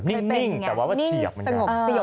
นิ่งแต่ว่าเฉียบ